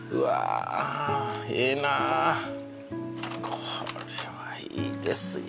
これはいいですよ